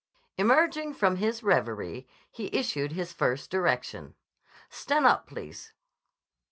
Emerging from his reverie he issued his first direction. "Stannup, please."